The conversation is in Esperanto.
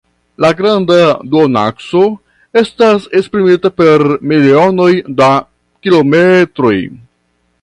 La granda duonakso estas esprimita per milionoj da kilometroj.